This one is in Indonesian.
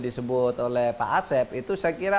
disebut oleh pak asep itu saya kira